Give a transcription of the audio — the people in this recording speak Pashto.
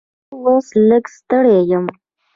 زه اوس لږ ستړی یم.